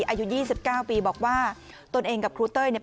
อายุ๒๙ปีบอกว่าตนเองกับครูเต้ยเนี่ย